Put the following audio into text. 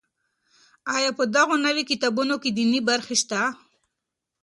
آیا په دغه نوي کتابتون کې دیني برخې شته؟